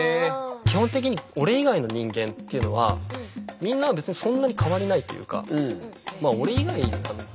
基本的に俺以外の人間っていうのはみんな別にそんなに変わりないというかまあ俺以外なんで。